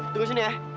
tunggu disini ya